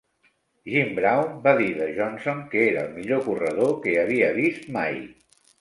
Jim Brown va dir de Johnson que era el millor corredor que havia vist mai.